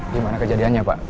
gimana kejadiannya pak